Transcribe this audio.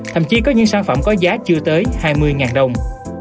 thậm chí có những sản phẩm có giá chưa tới hai mươi đồng